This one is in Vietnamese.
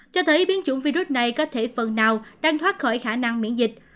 cho thấy biến chủng virus này có thể phần nào đang thoát khỏi khả năng miễn dịch